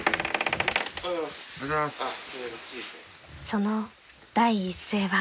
［その第一声は］